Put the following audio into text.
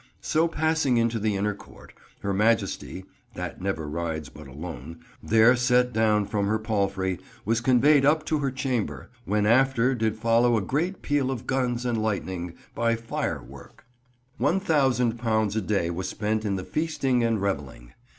So, passing into the inner court, her Majesty, (that never rides but alone) thear set doun from her palfrey, was conveied up to her chamber, when after did follo a great peal of Gunz and lightning by Fyr work." £1000 a day was spent in the feasting and revelling.